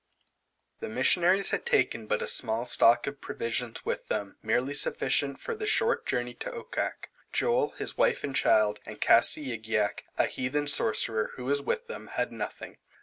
The missionaries had taken but a small stock of provisions with them, merely sufficient for the short journey to Okkak. Joel, his wife and child, and Kassigiak, a heathen sorcerer, who was with them, had nothing.